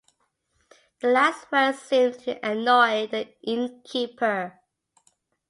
The last words seemed to annoy the innkeeper.